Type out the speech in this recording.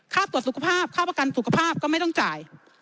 ตรวจสุขภาพค่าประกันสุขภาพก็ไม่ต้องจ่าย